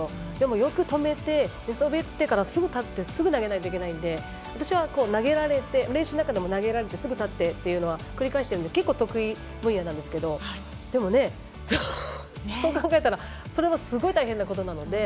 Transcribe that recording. よく止めて、寝そべってからすぐ立ってすぐ投げないといけないので私は練習の中で投げられてすぐ立ってっていうのを繰り返してるので得意分野なんですけどでも、そう考えたらすごい大変なことなので。